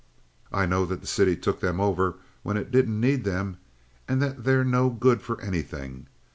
"I know that the city took them over when it didn't need them, and that they're no good for anything.